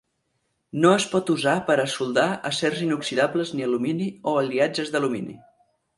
No es pot usar per a soldar acers inoxidables ni alumini o aliatges d'alumini.